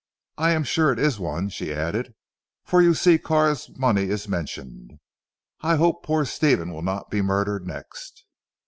I am sure it is one," she added, "for you see Carr's money is mentioned. I hope poor Stephen will not be murdered next!"